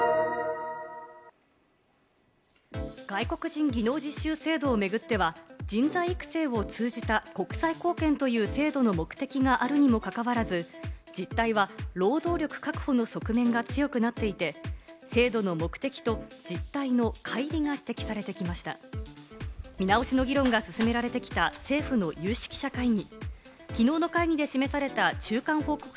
外国人技能実習制度をめぐっては、人材育成を通じた国際貢献という制度の目的があるにもかかわらず、実態は労働力確保の側面が強くなっていて、制度の目的と実態のかい離が見直しの議論が進められてきた政府の有識者会議。